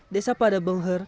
desa pada bengher